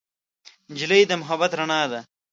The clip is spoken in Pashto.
نجلۍ د محبت رڼا ده.